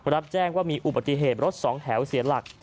รับแจ้งว่ามีอุบัติเหตุรถสองแถวเสียหลัก